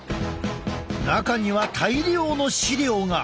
中には大量の資料が。